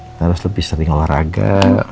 kita harus lebih sering olahraga